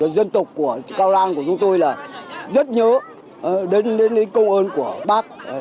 dân tộc của cao lan của chúng tôi là rất nhớ đến những câu ơn của bác